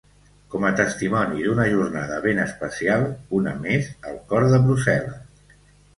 Com a testimoni d’una jornada ben especial, una més, al cor de Brussel·les.